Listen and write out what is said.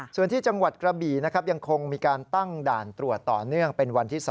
ส่วนที่จังหวัดกระบี่นะครับยังคงมีการตั้งด่านตรวจต่อเนื่องเป็นวันที่๒